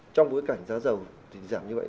trong bối cảnh giá dầu giảm như vậy